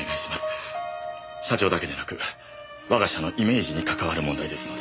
社長だけでなく我が社のイメージにかかわる問題ですので。